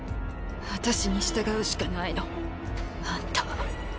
私に従うしかないのあんたは。